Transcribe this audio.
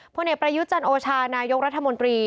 พ่อเนธประยุจจันทร์โอชานายกรัฐมนตรี